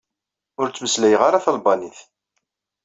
Ur ttmeslayeɣ ara talbanit.